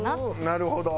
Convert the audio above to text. なるほど。